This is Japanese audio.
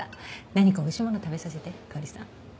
何かおいしいもの食べさせてかほりさん。